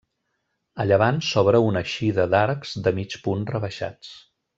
A llevant s'obre una eixida d'arcs de mig punt rebaixats.